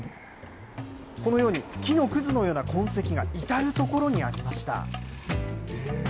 このように木のくずのような痕跡が至る所にありました。